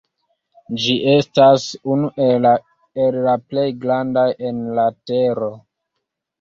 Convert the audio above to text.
Ĝi estas unu el la plej grandaj en la tero.